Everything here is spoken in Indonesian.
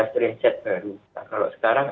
train set baru nah kalau sekarang